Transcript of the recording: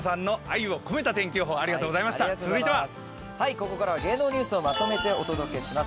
ここからは芸能ニュースをまとめてお届けします。